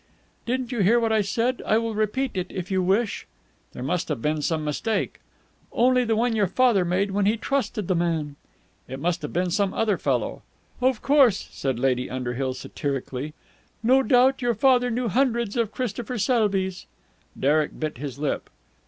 "Didn't you hear what I said? I will repeat it, if you wish." "There must have been some mistake." "Only the one your father made when he trusted the man." "It must have been some other fellow." "Of course!" said Lady Underhill satirically. "No doubt your father knew hundreds of Christopher Selbys!" Derek bit his lip.